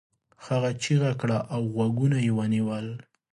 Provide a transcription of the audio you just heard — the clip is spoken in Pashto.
هغه چیغه کړه او غوږونه یې ونيول.